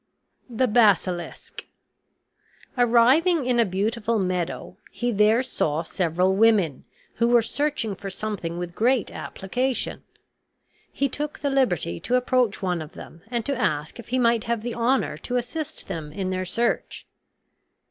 THE BASILISK Arriving in a beautiful meadow, he there saw several women, who were searching for something with great application. He took the liberty to approach one of them, and to ask if he might have the honor to assist them in their search.